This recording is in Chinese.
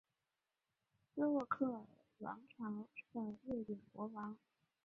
斯渥克尔王朝的瑞典国王。